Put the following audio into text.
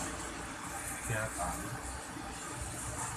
聽筒